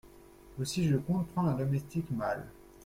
Aussi je compte prendre un domestique mâle.